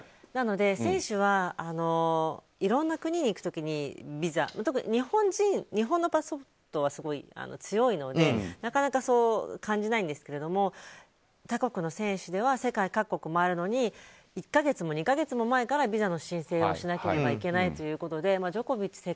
なので、選手はいろんな国に行く時にビザ特に日本のパスポートはすごい強いのでなかなか感じないんですけど他国の選手では世界各国回るのに１か月も２か月も前からビザの申請をしなければいけないということでジョコビッチ